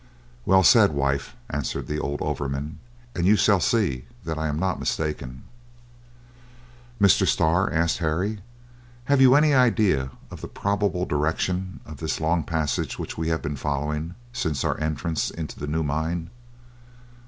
"Well said, wife!" answered the old overman, "and you shall see that I am not mistaken." "Mr. Starr," asked Harry, "have you any idea of the probable direction of this long passage which we have been following since our entrance into the new mine?"